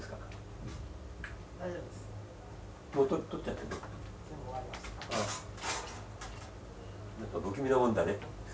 やっぱ不気味なもんだね。